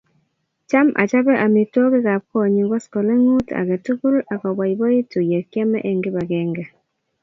Cham achope amitwogik ap konyun koskoling'ut ake tukul akepoipoitu yekiame eng' kipakenge